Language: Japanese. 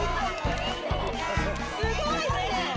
すごいね！